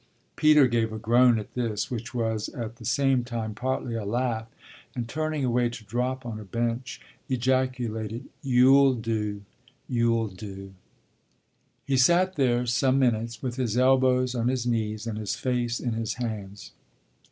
Peter gave a groan at this, which was at the same time partly a laugh, and, turning away to drop on a bench, ejaculated: "You'll do you'll do!" He sat there some minutes with his elbows on his knees and his face in his hands.